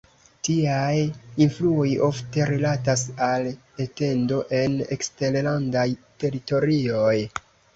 Tiaj influoj ofte rilatas al etendo en eksterlandaj teritorioj.